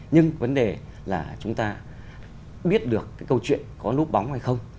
nhưng vấn đề là chúng ta biết được cái câu chuyện có núp bóng hay không